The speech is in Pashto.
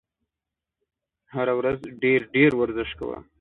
هره ورځ ډېر ډېر ورزش کوه !